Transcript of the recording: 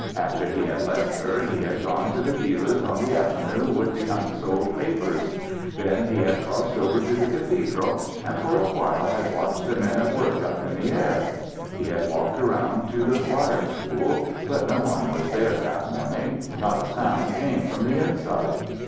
After he had left her he had gone to the dealer's on the avenue with the unsold papers. Then he had crossed over to the cathedral, and for a while had watched the men at work up in the air. He had walked around to the choir school, but no one was there that morning, not a sound came from the inside.